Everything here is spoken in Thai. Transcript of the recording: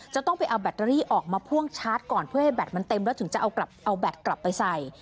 จะต้องไปเอาแบตเตอรี่ออกมาพ่วงชาร์จก่อนเพื่อให้แบตมันเต็มแล้วถึงจะเอาแบตกลับไปใส่